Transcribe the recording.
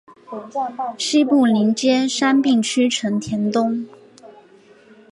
西部邻接杉并区成田东。